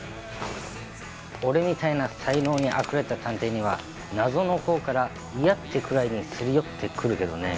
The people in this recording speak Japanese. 俺みたいな才能にあふれた探偵には謎の方から嫌ってくらいにすり寄ってくるけどね